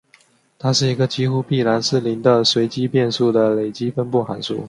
它是一个几乎必然是零的随机变数的累积分布函数。